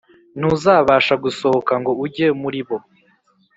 ntuzabasha gusohoka ngo ujye muri bo